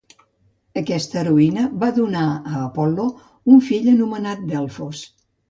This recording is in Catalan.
Aquesta heroïna va donar a Apol·lo un fill anomenat Delfos.